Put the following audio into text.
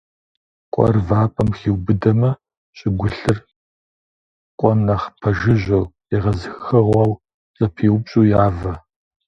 Къуэр вапӀэм хиубыдэмэ, щӀыгулъыр къуэм нэхъ пэжыжьэу, егъэзыхыгъуэр зэпиупщӀу явэ.